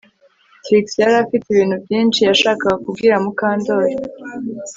Trix yari afite ibintu byinshi yashakaga kubwira Mukandoli